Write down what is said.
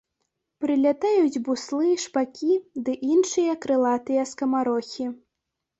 Прылятаюць буслы, шпакі ды іншыя крылатыя скамарохі.